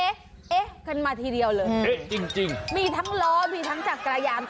เอ๊ะขึ้นมาทีเดียวเลยมีทั้งล้อมีทั้งจักรยาน